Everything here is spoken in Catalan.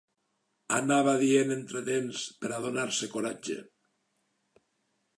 ...anava dient entre dents per a donar-se coratge.